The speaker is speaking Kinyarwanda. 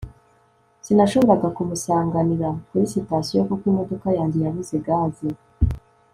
sinashoboraga kumusanganira kuri sitasiyo kuko imodoka yanjye yabuze gaze